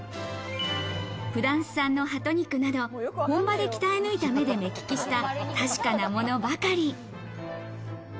フランス産の鳩肉など本場で鍛えぬいた目利きした確かなものばかり。